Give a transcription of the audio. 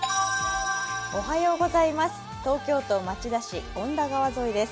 東京都町田市恩田川沿いです。